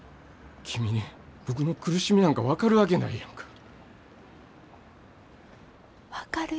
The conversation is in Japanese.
君に僕の苦しみなんか分かるわけないやんか。